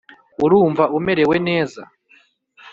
urumva umerewe neza?